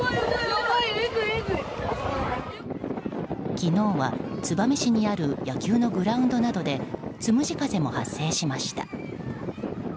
昨日は燕市にある野球のグラウンドなどでつむじ風も発生しました。